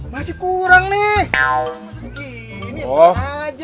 masih kurang nih